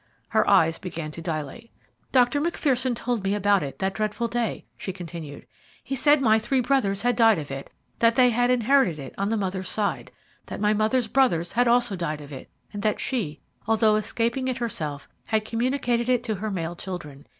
Her eyes began to dilate. "Dr. Macpherson told me about it that dreadful day," she continued. "He said that my three brothers had died of it, that they had inherited it on the mother's side that my mother's brothers had also died of it, and that she, although escaping herself, had communicated it to her male children.